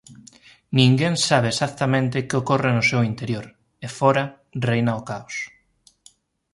Ninguén sabe exactamente que ocorre no seu interior e fóra reina o caos.